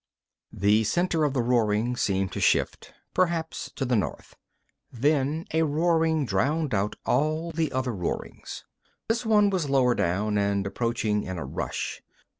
The center of the roaring seemed to shift, perhaps to the north. Then a roaring drowned out all the other roarings. This one was lower down and approaching in a rush.